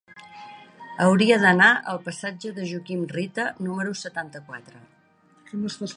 Hauria d'anar al passatge de Joaquim Rita número setanta-quatre.